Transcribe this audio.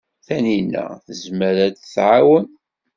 Tanina tezmer ad d-tɛawen.